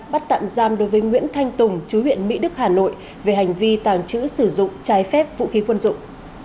bắt tạm giam đối với nguyễn thanh tùng chú huyện mỹ đức hà nội về hành vi tàng trữ sử dụng trái phép vũ khí quân dụng